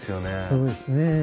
そうですね。